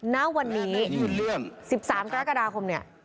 ณวันนี้๑๓กรกฎาคมเนี่ย